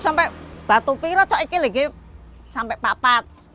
sampai batu piring sampai papat